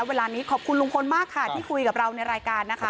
เวลานี้ขอบคุณลุงพลมากค่ะที่คุยกับเราในรายการนะคะ